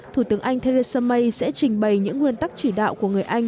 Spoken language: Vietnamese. thủ tướng anh theresa may sẽ trình bày những nguyên tắc chỉ đạo của người anh